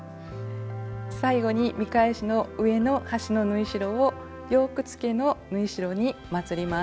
最後に見返しの上の端の縫い代をヨークつけの縫い代にまつります。